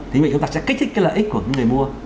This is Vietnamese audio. thế mà chúng ta sẽ kích thích cái lợi ích của người mua